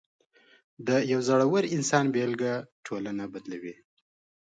د یو زړور انسان بېلګه ټولنه بدلوي.